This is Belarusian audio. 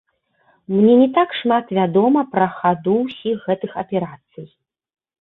Мне не так шмат вядома пра хаду ўсіх гэтых аперацый.